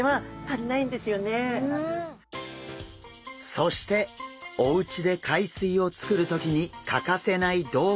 そしておうちで海水をつくる時に欠かせない道具が。